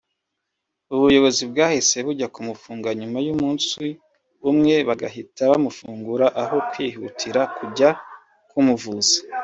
ubuyobozi bwahise bujya kumufunga nyuma y’umunsi umwe bugahita bumufungura aho kwihutira kujya kumuvuza